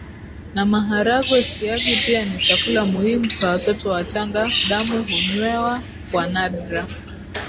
na maharagwe Siagi pia ni chakula muhimu cha watoto wachanga Damu hunywewa kwa nadra